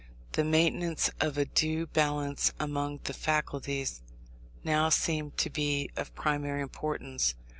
The maintenance of a due balance among the faculties now seemed to be of primary importance.